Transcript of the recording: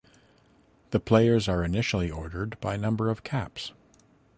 The players are initially ordered by number of caps.